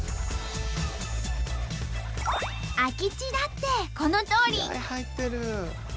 空き地だってこのとおり。